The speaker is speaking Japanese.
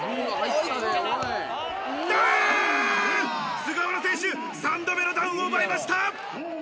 菅原選手、３度目のダウンを奪いました。